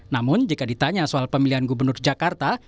namun jika ditanya soal pemilihan gubernur jakarta